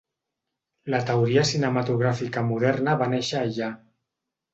La teoria cinematogràfica moderna va néixer allà.